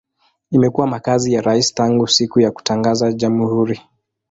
Imekuwa makazi ya rais tangu siku ya kutangaza jamhuri.